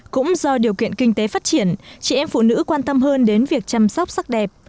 cũng do điều kiện kinh tế phát triển chị em phụ nữ quan tâm hơn đến việc chăm sóc sắc đẹp